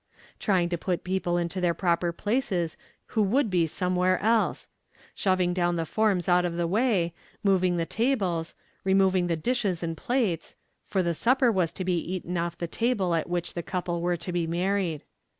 trying to put people into their proper places who would be somewhere else shoving down the forms out of the way moving the tables removing the dishes and plates; for the supper was to be eaten off the table at which the couple were to be married.